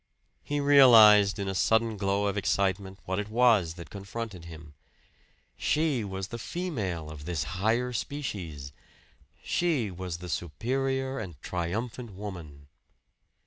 He realized in a sudden glow of excitement what it was that confronted him. She was the female of this higher species; she was the superior and triumphant woman.